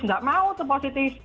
nggak mau tuh positif